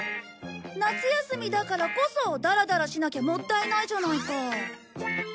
夏休みだからこそダラダラしなきゃもったいないじゃないか。